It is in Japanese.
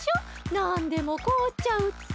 なんでもこおっちゃうって！